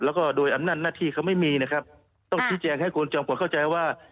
แล้วก็โดยอำนาจหน้าที่เขาไม่มีนะครับต้องชี้แจงให้คุณจอมกฎเข้าใจว่า